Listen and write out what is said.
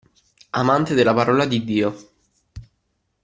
Amante della parola di Dio.